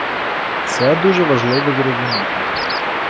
Це дуже важливо зрозуміти.